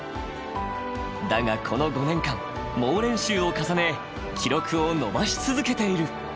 だが、この５年間猛練習を重ね記録を伸ばし続けている。